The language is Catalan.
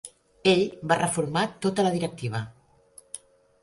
Ell va reformar tota la directiva.